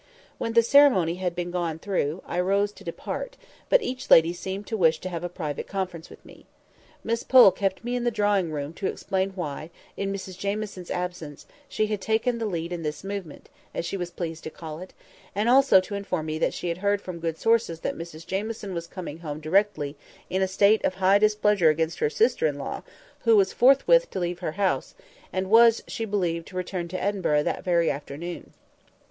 When the ceremony had been gone through, I rose to depart; but each lady seemed to wish to have a private conference with me. Miss Pole kept me in the drawing room to explain why, in Mrs Jamieson's absence, she had taken the lead in this "movement," as she was pleased to call it, and also to inform me that she had heard from good sources that Mrs Jamieson was coming home directly in a state of high displeasure against her sister in law, who was forthwith to leave her house, and was, she believed, to return to Edinburgh that very afternoon.